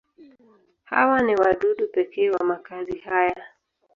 Hawa ni wadudu pekee wa makazi haya.